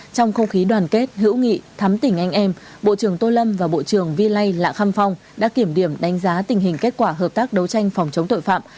trong không khí đoàn kết hữu nghị thắm tỉnh anh em bộ trưởng tô lâm và bộ trưởng vi lây lạ khăm phong đã kiểm điểm đánh giá tình hình kết quả hợp tác đấu tranh phòng chống tội phạm